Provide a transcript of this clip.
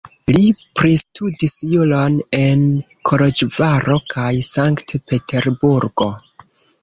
Li pristudis juron en Koloĵvaro kaj Sankt-Peterburgo.